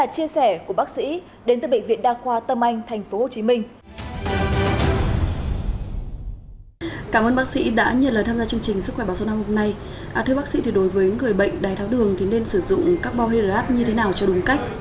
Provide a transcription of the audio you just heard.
thưa bác sĩ đối với người bệnh đai tháo đường thì nên sử dụng carbon hydrate như thế nào cho đúng cách